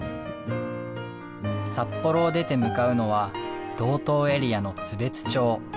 札幌を出て向かうのは道東エリアの津別町。